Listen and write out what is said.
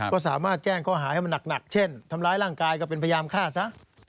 ก็สามารถแจ้งข้อหาให้มันหนักเช่นทำร้ายร่างกายก็เป็นพยายามฆ่าซะ